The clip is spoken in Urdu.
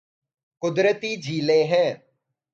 قدرتی جھیلیں ہیں